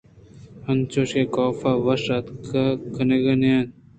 انچوش کہ کاف ءَ وش اتک کنگ ءَنہ اِنت